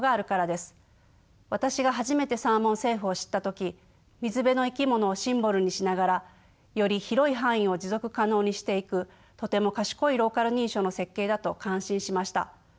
私が初めてサーモン・セーフを知った時水辺の生き物をシンボルにしながらより広い範囲を持続可能にしていくとても賢いローカル認証の設計だと感心しました。